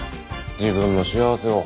自分の幸せを。